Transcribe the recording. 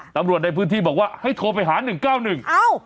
ตำรวจในพื้นที่บอกว่าให้โทรไปหาหนึ่งเก้าหนึ่งเอ้า